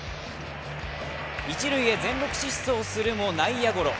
一塁へ全力疾走するも内野ゴロ。